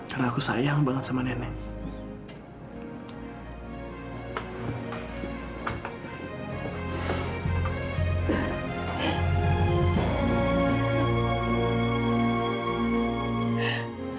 karena aku sayang banget sama nenek